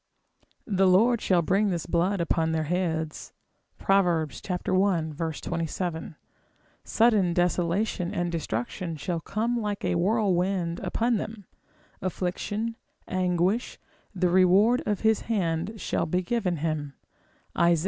The Lord shall bring this blood upon their heads. Prov. i. 27, sudden desolation and destruction shall come like a whirlwind upon them: affliction, anguish, the reward of his hand shall be given him, Isa.